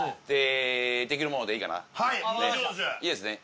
いいですね。